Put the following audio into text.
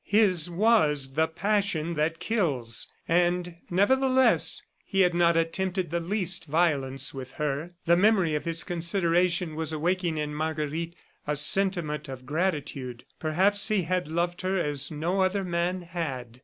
His was the passion that kills, and, nevertheless, he had not attempted the least violence with her. ... The memory of his consideration was awakening in Marguerite a sentiment of gratitude. Perhaps he had loved her as no other man had.